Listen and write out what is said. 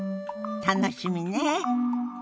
楽しみね。